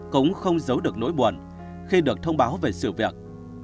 cũng không giấu được nỗi buồn khi được thông báo về sự việc